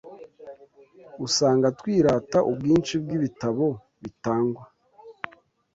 Usanga twirata ubwinshi bw’ibitabo bitangwa